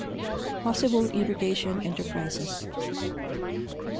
PossiBLE IRRIGATION ENTERPRISES.